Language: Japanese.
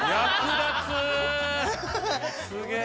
すげえ。